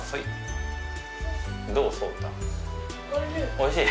おいしい？